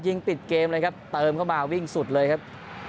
ยิงปิดเกมเลยครับเติมเข้ามาวิ่งสุดเลยครับ